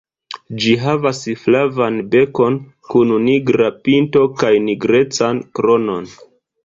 Ĝi havas flavan bekon kun nigra pinto kaj nigrecan kronon.